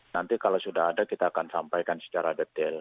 nanti kalau sudah ada kita akan sampaikan secara detail